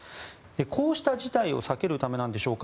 こうした事態を避けるためでしょうか